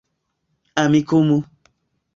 amikumu